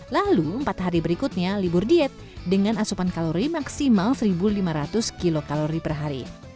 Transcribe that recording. lalu empat hari berikutnya libur diet dengan asupan kalori maksimal satu lima ratus kilokalori per hari